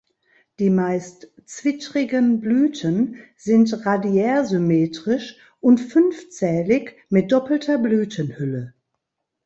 Die meist zwittrigen Blüten sind radiärsymmetrisch und fünfzählig mit doppelter Blütenhülle.